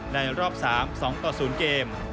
ในรอบ๓๒๐เกม